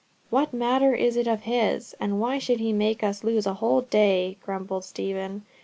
"What matter is it of his? And why should he make us lose a whole day?" grumbled Stephen.